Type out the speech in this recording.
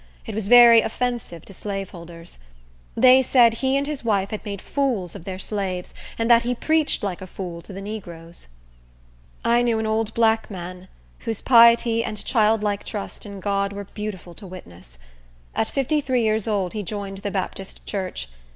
It was very offensive to slaveholders. They said he and his wife had made fools of their slaves, and that he preached like a fool to the negroes. I knew an old black man, whose piety and childlike trust in God were beautiful to witness. At fifty three years old he joined the Baptist church.